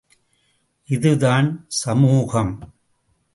இது தான் சமூகம்!